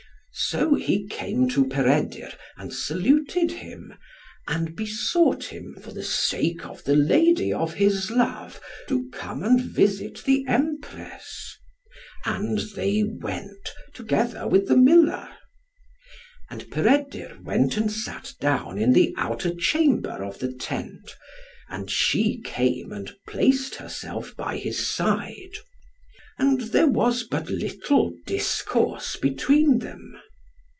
So he came to Peredur, and saluted him, and besought him, for the sake of the lady of his love, to come and visit the Empress. And they went, together with the miller. And Peredur went and sat down in the outer chamber of the tent, and she came and placed herself by his side. And there was but little discourse between them.